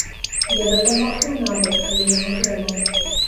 Я дапамагу нават, калі яму трэба.